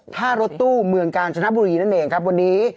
ท่ารถตู้เมืองกาญจนบุรีนั่นเองครับวันนี้